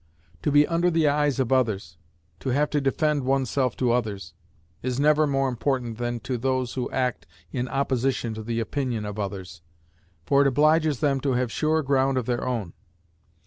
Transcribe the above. To be under the eyes of others to have to defend oneself to others is never more important than to those who act in opposition to the opinion of others, for it obliges them to have sure ground of their own.